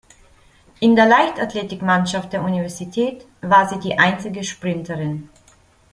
In der Leichtathletik-Mannschaft der Universität war sie die einzige Sprinterin.